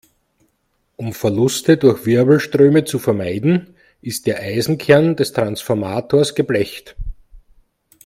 Um Verluste durch Wirbelströme zu vermeiden, ist der Eisenkern des Transformators geblecht.